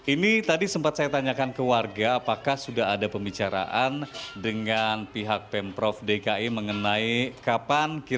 ini tadi sempat saya tanyakan ke warga apakah sudah ada pembicaraan dengan pihak pemprov dki mengenai kapan kira kira mulai akan dibangun rumah ini